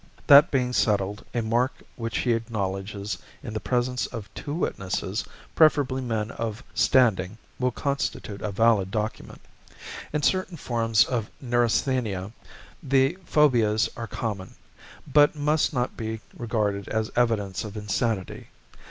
That being settled, a mark which he acknowledges in the presence of two witnesses, preferably men of standing, will constitute a valid document. In certain forms of neurasthenia, the 'phobias' are common, but must not be regarded as evidence of insanity.